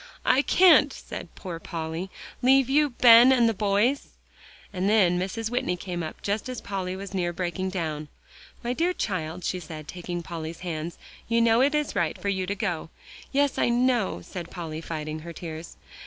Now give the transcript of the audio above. "I can't," said poor Polly, "leave you, Ben, and the boys." And then Mrs. Whitney came up just as Polly was near breaking down. "My dear child," she said, taking Polly's hands, "you know it is right for you to go." "Yes, I know," said Polly, fighting her tears.